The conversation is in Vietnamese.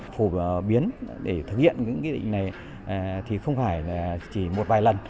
phổ biến để thực hiện những cái định này thì không phải chỉ một vài lần